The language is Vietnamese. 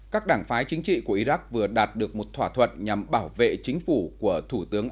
các đảng phái chính trị của iraq vừa đạt được một thỏa thuận nhằm bảo vệ chính phủ của thủ tướng